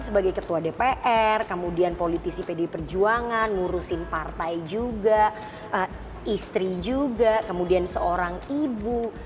sebagai ketua dpr kemudian politisi pdi perjuangan ngurusin partai juga istri juga kemudian seorang ibu